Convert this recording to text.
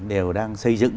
đều đang xây dựng